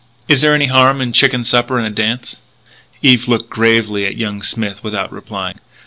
"Is there any harm in a chicken supper and a dance?" Eve looked gravely at young Smith without replying.